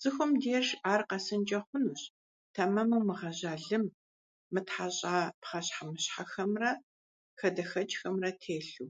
Цӏыхум деж ар къэсынкӏэ хъунущ тэмэму мыгъэжьа лым, мытхьэщӏа пхъэщхьэмыщхьэхэмрэ хадэхэкӏхэмрэ телъу.